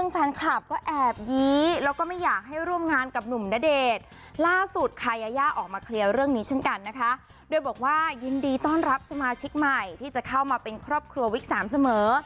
ที่จะเข้ามาเป็นครอบครัววิทย์สามเสมอ